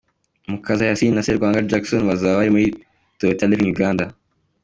Mukaza Yasin na Serwanga Jackson bazaba bari muri Toyota Levin-Uganda.